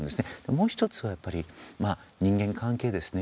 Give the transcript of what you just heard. もう１つはやっぱり人間関係ですね。